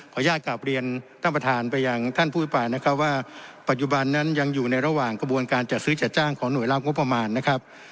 อนุญาตกลับเรียนท่านประธานไปยังท่านผู้พิปรายนะครับว่าปัจจุบันนั้นยังอยู่ในระหว่างกระบวนการจัดซื้อจัดจ้างของหน่วยรับงบประมาณนะครับ